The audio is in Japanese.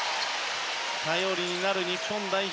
頼りになる日本代表